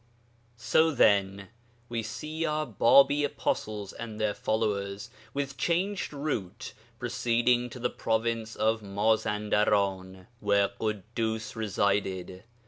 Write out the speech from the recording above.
So, then, we see our Bābī apostles and their followers, with changed route, proceeding to the province of Mazandaran, where Ḳuddus resided.